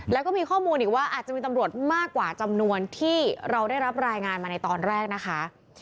แล้วก็มีข้อมูลอีกว่าอาจจะมีตำรวจมากกว่าจำนวนที่เราได้รับรายงานมาในตอนแรกนะคะ